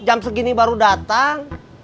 jam segini baru datang